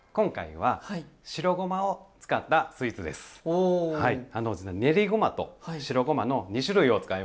はい。